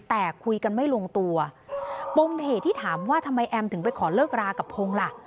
แต่คุยกันไม่ลงตัวปมเหตุที่ถามว่าทำไมแอมถึงไปขอเลิกรากับพงศ์ล่ะ